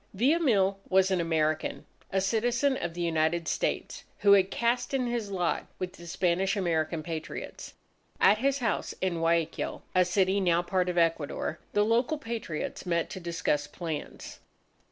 Villamil was an American, a citizen of the United States, who had cast in his lot with the Spanish American Patriots. At his house in Guayaquil (a city now a part of Ecuador) the local Patriots met to discuss plans.